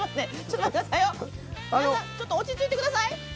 皆さんちょっと落ち着いてください。